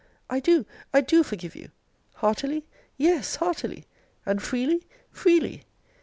I do, I do forgive you! Heartily? Yes, heartily! And freely? Freely!